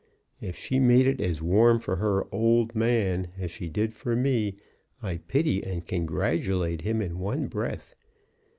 If she made it as warm for her "old man" as she did for me, I pity and congratulate him in one breath.